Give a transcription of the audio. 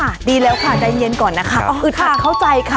ดีแล้วค่ะใจเย็นก่อนนะคะอึดอัดเข้าใจค่ะ